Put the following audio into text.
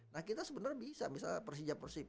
nah kita sebenarnya bisa misalnya persija persib